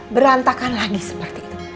berantakan lagi seperti itu